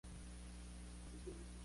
El club dispone de un equipo femenino